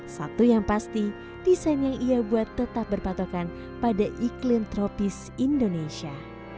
satu yang pasti desain yang ia buat tetap berpatokan pada iklim tropis indonesia